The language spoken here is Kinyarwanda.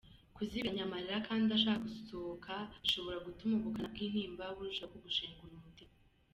Kuzibiranya amarira kandi ashaka gusohoka bishobora gutuma ubukana bw’intimba burushaho kugushengura umutima.